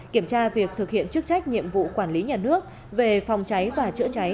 kiểm tra việc thực hiện chức trách nhiệm vụ quản lý nhà nước về phòng cháy và chữa cháy